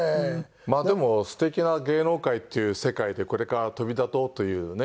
まあでも素敵な芸能界という世界でこれから飛び立とうというね。